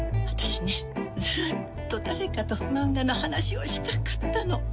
私ね、ずっと誰かと漫画の話をしたかったの。